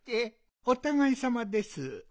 おたがいさまです。